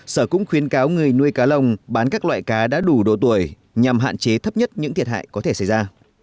sở cũng khuyến cáo người nuôi cá lồng bán các loại cá đã đủ độ tuổi nhằm hạn chế thấp nhất những thiệt hại có thể xảy ra